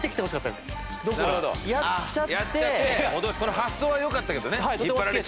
発想は良かったけどね。